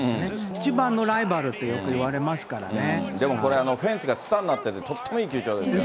一番のライバルとでもこれ、フェンスがつたになってるとってもいい球場ですね。